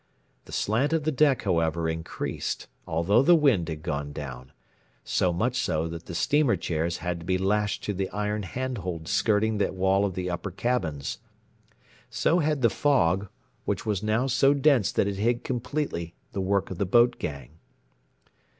The slant of the deck, however, increased, although the wind had gone down; so much so that the steamer chairs had to be lashed to the iron hand hold skirting the wall of the upper cabins. So had the fog, which was now so dense that it hid completely the work of the boat gang.